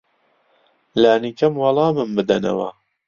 لانی کەم وەڵامم بدەنەوە.